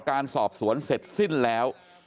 การสอบสวนเสร็จสิ้นแล้ว